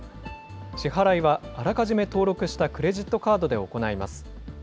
支払いはあらかじめ登録したクレジットカードで行います。